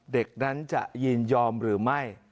เด็กนั้นจะยินยอมหรือไม่